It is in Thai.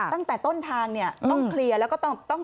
ตั้งแต่ต้นทางเนี่ยต้องเคลียร์แล้วก็ต้อง